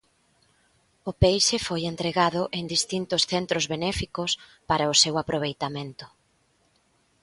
O peixe foi entregado en distintos centros benéficos para o seu aproveitamento.